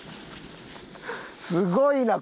すごいな。